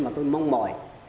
mà tôi mong mỏi